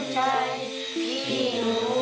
สวัสดีครับ